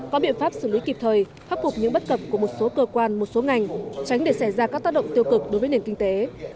có biện pháp xử lý kịp thời khắc phục những bất cập của một số cơ quan một số ngành tránh để xảy ra các tác động tiêu cực đối với nền kinh tế